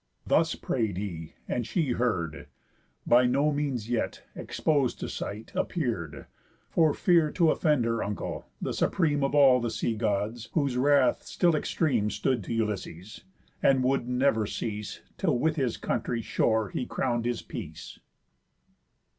Thus pray'd he, and she heard, By no means yet, expos'd to sight, appear'd, For fear t' offend her uncle, the supreme Of all the Sea Gods, whose wrath still extreme Stood to Ulysses; and would never cease, Till with his country shore he crown'd his peace.